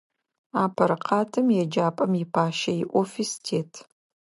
Апэрэ къатым еджапӏэм ипащэ иофис тет.